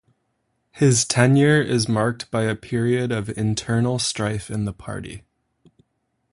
His tenure is marked by a period of internal strife in the party.